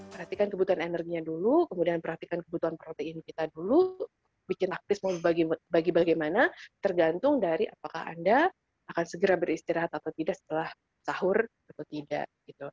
perhatikan kebutuhan energinya dulu kemudian perhatikan kebutuhan protein kita dulu bikin aktif mau bagi bagaimana tergantung dari apakah anda akan segera beristirahat atau tidak setelah sahur atau tidak